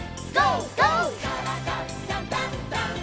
「からだダンダンダン」